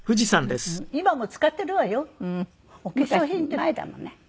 昔前だもんね。